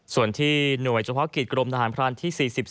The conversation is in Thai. ส่วนที่หน่วยเฉพาะกิจกรมทหารพรานที่๔๒